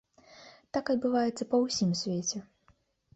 Так адбываецца па ўсім свеце.